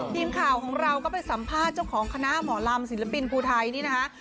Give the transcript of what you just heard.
ทีมข่าวของเราก็ไปสัมภาษณ์เจ้าของคณะหมอลำศิลปินภูไทยนี่นะคะ